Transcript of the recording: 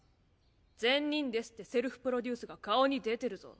善人ですってセルフプロデュースが顔に出てるぞ。